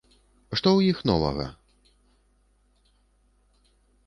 Што ў іх новага?